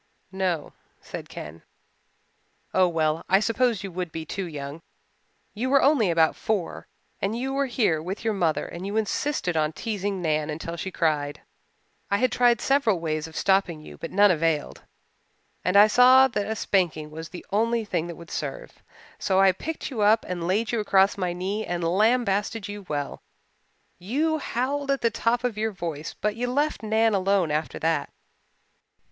"No," said Ken. "Oh well, I suppose you would be too young you were only about four and you were here with your mother and you insisted on teasing Nan until she cried. I had tried several ways of stopping you but none availed, and I saw that a spanking was the only thing that would serve. So I picked you up and laid you across my knee and lambasted you well. You howled at the top of your voice but you left Nan alone after that."